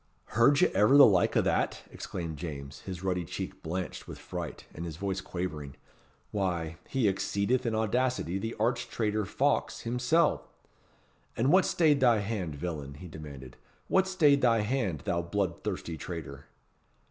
"Heard ye ever the like o' that?" exclaimed James, his ruddy cheek blanched with fright, and his voice quavering. "Why, he exceedeth in audacity the arch traitor Fawkes himsel'. And what stayed thy hand, villain?" he demanded, "what stayed thy hand, thou blood thirsty traitor?"